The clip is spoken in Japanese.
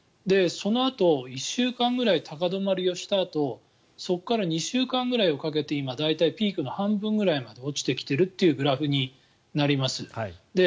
そのあと、１週間ぐらい高止まりをしたあとそこから２週間ぐらいをかけて今、大体ピークの半分ぐらいまで落ちてきているというグラフになります。